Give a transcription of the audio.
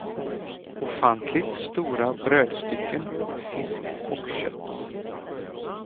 Ofantligt stora brödstycken, fisk och kött.